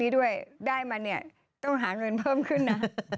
ด้วยได้มาเนี่ยต้องหาเงินเพิ่มขึ้นนะ